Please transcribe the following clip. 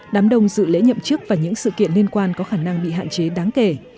đám đông dự lễ nhậm chức và những sự kiện liên quan có khả năng bị hạn chế đáng kể